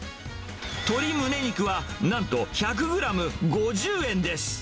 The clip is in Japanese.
鶏むね肉はなんと１００グラム５０円です。